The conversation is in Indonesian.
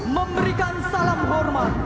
memberikan salam hormat